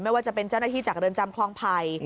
ไม่ว่าจะเป็นเจ้าหน้าที่จากเรือนจำคลองไผ่